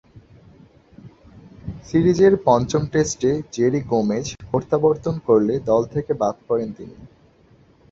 সিরিজের পঞ্চম টেস্টে জেরি গোমেজ প্রত্যাবর্তন করলে দল থেকে বাদ পড়েন তিনি।